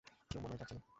কেউ মোবাইল চাপছে না।